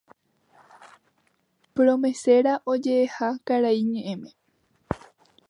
promesera oje'eha karai ñe'ẽme